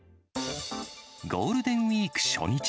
ゴールデンウィーク初日。